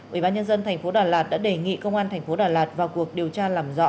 ubnd tp đà lạt đã đề nghị công an tp đà lạt vào cuộc điều tra làm rõ